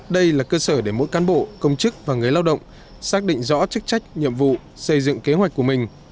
đây là cơ sở để mỗi cán bộ công chức và người lao động xác định rõ chức trách nhiệm vụ xây dựng kế hoạch của mình